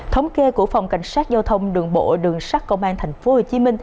thống kê của phòng cảnh sát giao thông đường bộ đường sắt công an tp hcm